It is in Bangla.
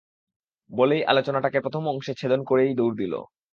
বলেই আলোচনাটাকে প্রথম অংশে ছেদন করেই দৌড় দিলে।